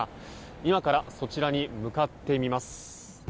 今からそちらに向かってみます。